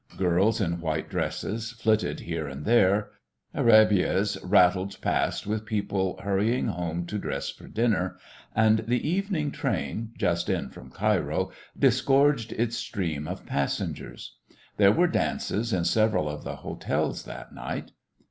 Girls in white dresses flitted here and there, arabîyehs rattled past with people hurrying home to dress for dinner, and the evening train, just in from Cairo, disgorged its stream of passengers. There were dances in several of the hotels that night.